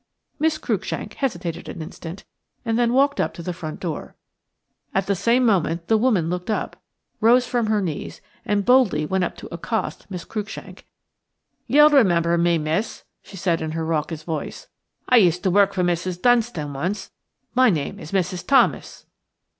Miss Cruikshank hesitated an instant, and then walked up to the front door. At the same moment the woman looked up, rose from her knees, and boldly went up to accost Miss Cruikshank. "You'll remember me, miss," she said, in her raucous voice. "I used to work for Mrs. Dunstan once. My name is Mrs. Thomas."